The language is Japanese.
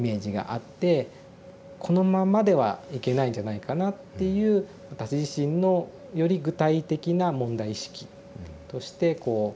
「このまんまではいけないんじゃないかな」っていう私自身のより具体的な問題意識としてこう残って。